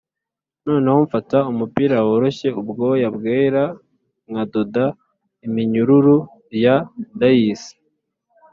noneho mfata umupira woroshye, ubwoya bwera nkadoda iminyururu ya dais